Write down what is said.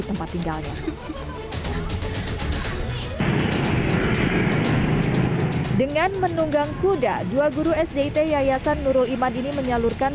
tempat tinggalnya dengan menunggang kuda dua guru sdt yayasan nurul iman ini menyalurkan